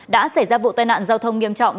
đã xảy ra vụ tai nạn giao thông nghiêm trọng